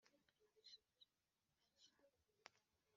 icyambabaje hidaya yahise yivanga mbura aho